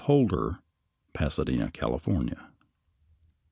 HOLDER. PASADENA, CALIFORNIA.